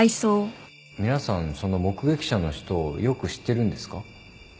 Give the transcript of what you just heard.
皆さんその目撃者の人をよく知ってるんですか？